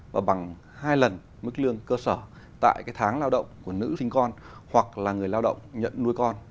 và bằng hai lần mức lương cơ sở tại tháng lao động của nữ sinh con hoặc là người lao động nhận nuôi con